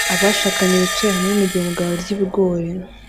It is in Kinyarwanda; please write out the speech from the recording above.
Abashakanye bicaye hamwe mugihe umugabo arya ibigori